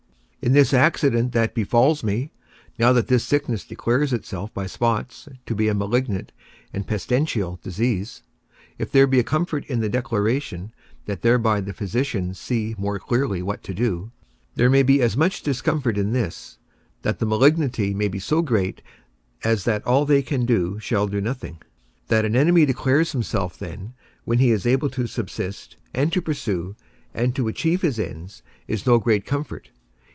In this accident that befalls me, now that this sickness declares itself by spots to be a malignant and pestilential disease, if there be a comfort in the declaration, that thereby the physicians see more clearly what to do, there may be as much discomfort in this, that the malignity may be so great as that all that they can do shall do nothing; that an enemy declares himself then, when he is able to subsist, and to pursue, and to achieve his ends, is no great comfort.